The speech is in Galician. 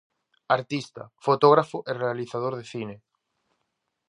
Artista, fotógrafo e realizador de cine.